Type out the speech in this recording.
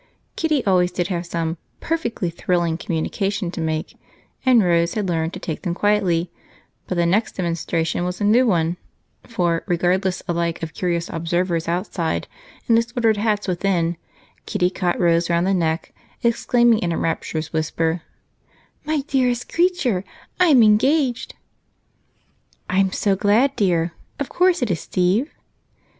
Kitty always did have some "perfectly thrilling" communication to make and Rose had learned to take them quietly, but the next demonstration was a new one, for, regardless alike of curious observers outside and disordered hats within, Kitty caught Rose around the neck, exclaiming in a rapturous whisper: "My dearest creature, I'm engaged!" "I'm so glad! Of course it is Steve?"